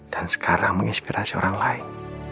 dan sekarang menginspirasi orang lain